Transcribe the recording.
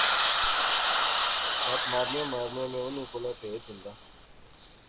گپ مارنیاں مارنیاں میں انیں کولا پھیت ہندا